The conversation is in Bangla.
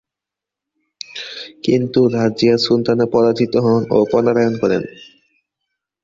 কিন্তু রাজিয়া সুলতানা পরাজিত হন ও পলায়ন করেন।